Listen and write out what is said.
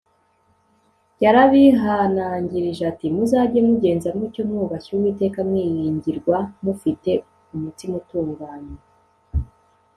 Yarabihanangirije ati Muzajye mugenza mutyo mwubashye Uwiteka mwiringirwa mufite umutima utunganye